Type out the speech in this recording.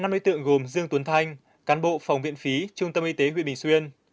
năm đối tượng gồm dương tuấn thanh cán bộ phòng viện phí trung tâm y tế huyện bình xuyên